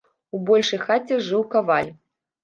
У большай хаце жыў каваль.